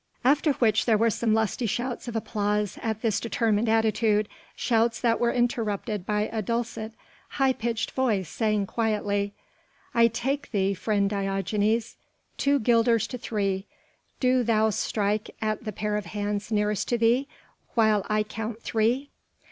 After which there were some lusty shouts of applause at this determined attitude, shouts that were interrupted by a dulcet high pitched voice saying quietly: "I take thee, friend Diogenes. Two guilders to three: do thou strike at the pair of hands nearest to thee and while I count three...."